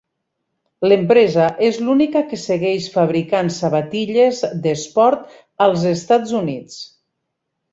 L'empresa és l'única que segueix fabricant sabatilles d'esport als Estats Units.